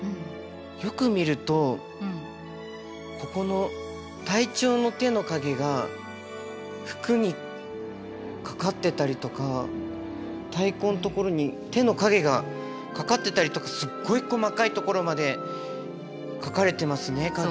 よく見るとここの隊長の手の影が服にかかってたりとか太鼓のところに手の影がかかってたりとかすっごい細かいところまで描かれてますね影を。